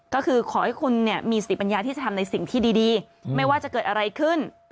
ก็คือขอให้คุณเนี่ยมีสติปัญญาที่จะทำในสิ่งที่ดีไม่ว่าจะเกิดอะไรขึ้น